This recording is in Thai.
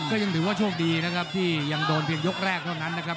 ก็ยังถือว่าโชคดีนะครับที่ยังโดนเพียงยกแรกเท่านั้นนะครับ